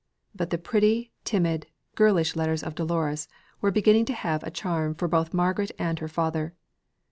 But the pretty, timid, girlish letters of Dolores were beginning to have a charm for both Margaret and her father.